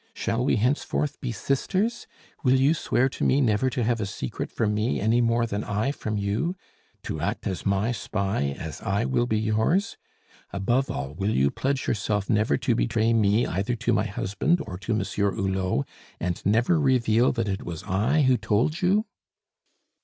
Shall we henceforth be sisters? Will you swear to me never to have a secret from me any more than I from you to act as my spy, as I will be yours? Above all, will you pledge yourself never to betray me either to my husband or to Monsieur Hulot, and never reveal that it was I who told you